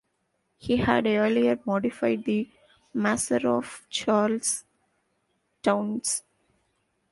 He had earlier modified the maser of Charles Townes.